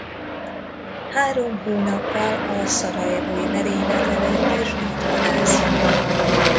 Három hónappal a szarajevói merénylet előtt is itt vadászott.